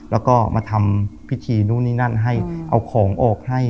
แล้วก็มาทำพิธีนู่นนี่นั่นให้เอาของออกให้